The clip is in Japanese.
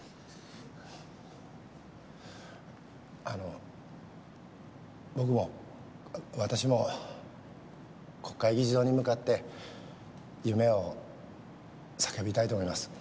あの僕も私も国会議事堂に向かって夢を叫びたいと思います。